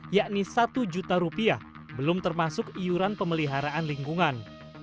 yakni satu juta rupiah belum termasuk iuran pemeliharaan lingkungan